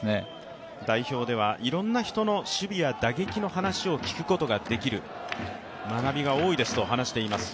ＷＢＣではいろんな選手の守備や打撃の話を聞くことができる学びが多いですと話しています